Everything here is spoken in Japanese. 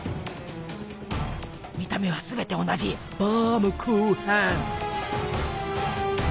見た目はすべて同じバームクーヘン。